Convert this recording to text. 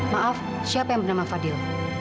maaf siapa yang bernama fadil